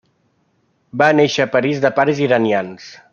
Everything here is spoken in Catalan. Va néixer a París de pares iranians.